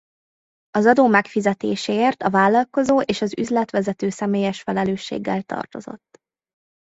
Az adó megfizetéséért a vállalkozó és az üzletvezető személyes felelősséggel tartozott.